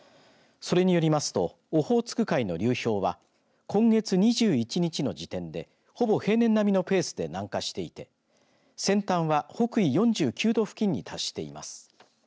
それによりますとオホーツク海の流氷は今月２１日の時点でほぼ平年並みのペースで南下していて先端は北緯４９度付近に達しています。